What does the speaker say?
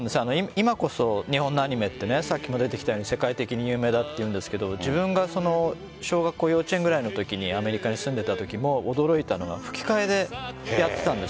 今こそ日本のアニメってさっきも出てきたように世界的に有名だというんですが自分が小学校幼稚園ぐらいのときにアメリカに住んでいたときも驚いたのは吹き替えでやってたんです。